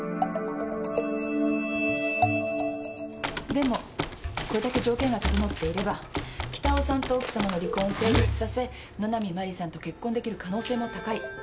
でもこれだけ条件が整っていれば北尾さんと奥さまの離婚を成立させ野波真理さんと結婚できる可能性も高い。